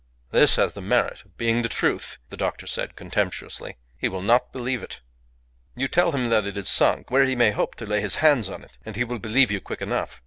"This has the merit of being the truth," the doctor said, contemptuously. "He will not believe it." "You tell him that it is sunk where he may hope to lay his hands on it, and he will believe you quick enough.